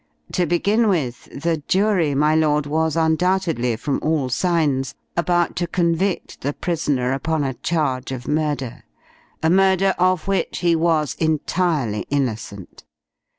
To begin with, the jury, my lord, was undoubtedly, from all signs, about to convict the prisoner upon a charge of murder a murder of which he was entirely innocent.